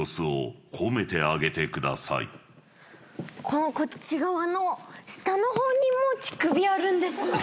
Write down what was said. このこっち側の下の方にもちくびあるんですね！